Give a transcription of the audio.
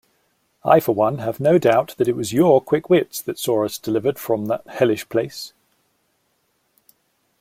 I for one have no doubt that it was your quick wits that saw us delivered from that hellish place.